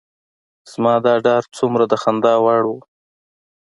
زما دا ډار څومره د خندا وړ و.